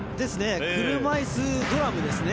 車いすドラムですね。